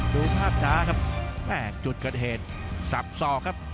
ดูภาพช้าครับแม่จุดเกิดเหตุสับสอกครับ